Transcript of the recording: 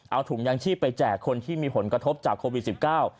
เอาถุงยางชีพไปแจกคนที่มีผลกระทบจากโควิดสิบเก้า